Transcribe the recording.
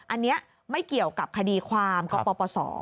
อันนี้ไม่เกี่ยวกับคดีความกปศ